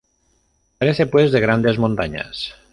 Carece, pues, de grandes montañas.